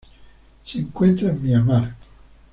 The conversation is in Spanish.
Se encuentra en Myanmar.